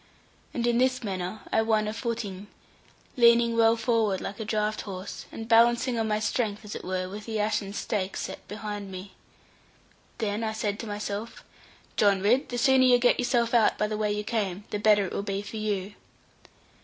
And in this manner I won a footing, leaning well forward like a draught horse, and balancing on my strength as it were, with the ashen stake set behind me. Then I said to my self, 'John Ridd, the sooner you get yourself out by the way you came, the better it will be for you.'